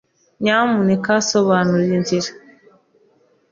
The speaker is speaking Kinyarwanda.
Nyamuneka sobanura inzira.